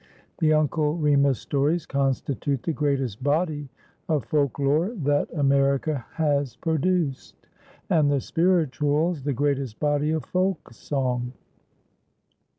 The Uncle Remus stories constitute the greatest body of folklore that America has produced, and the "spirituals" the greatest body of folk song.